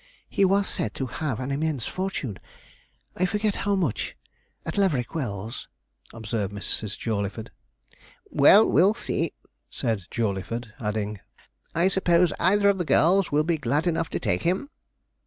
'He was said to have an immense fortune I forget how much at Laverick Wells,' observed Mrs. Jawleyford. 'Well, we'll see,' said Jawleyford, adding, 'I suppose either of the girls will be glad enough to take him?'